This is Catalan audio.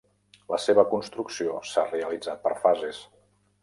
La seva construcció s'ha realitzat per fases.